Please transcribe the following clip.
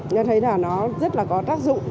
nó thấy là nó rất là có tác dụng